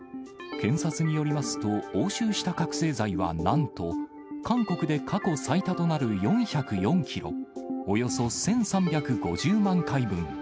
検察によりますと、押収した覚せい剤はなんと、韓国で過去最多となる４０４キロ、およそ１３５０万回分。